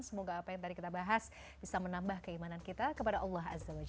semoga apa yang tadi kita bahas bisa menambah keimanan kita kepada allah azza waj